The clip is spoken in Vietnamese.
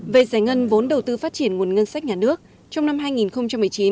về giải ngân vốn đầu tư phát triển nguồn ngân sách nhà nước trong năm hai nghìn một mươi chín